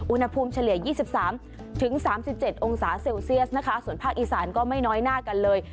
เฉลี่ย๒๓๓๗องศาเซลเซียสนะคะส่วนภาคอีสานก็ไม่น้อยหน้ากันเลย